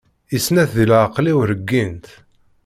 I snat di leɛqeli-iw reggint.